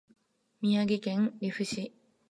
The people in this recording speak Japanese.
宮城県利府町